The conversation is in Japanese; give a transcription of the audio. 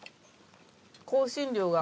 香辛料が。